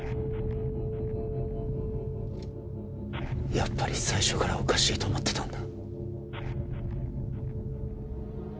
やっぱり最初からおかしいと思ってたんだ